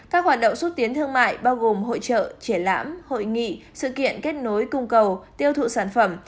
một mươi hai các hoạt động xuất tiến thương mại bao gồm hội trợ triển lãm hội nghị sự kiện kết nối cung cầu tiêu thụ sản phẩm